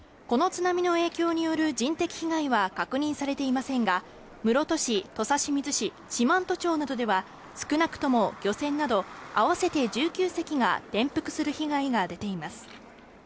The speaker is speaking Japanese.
この津波の影響による人的被害は確認されていませんが、室戸市、土佐清水市、四万十町などでは、少なくとも漁船など合わせて１９隻が転覆する被害が出ています。